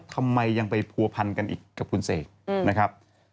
ทำไมยังไปผัวพันกันอีกกับคุณเสกนะครับ